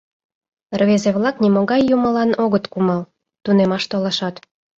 Рвезе-влак нимогай юмылан огыт кумал, тунемаш толашат.